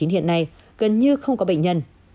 hiện nay gần như không có bệnh nhân